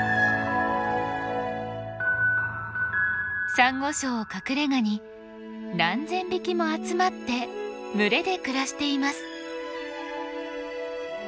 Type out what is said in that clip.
サンゴ礁を隠れがに何千匹も集まって群れで暮らしています。